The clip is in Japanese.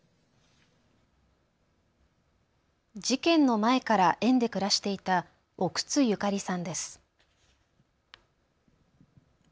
事件の前から園で暮らしていた奥津ゆかりさんです。